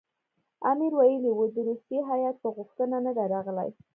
امیر ویلي وو د روسیې هیات په غوښتنه نه دی راغلی.